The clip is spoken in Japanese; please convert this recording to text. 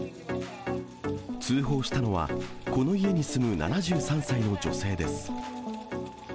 通報したのは、この家に住む７３歳の女性です。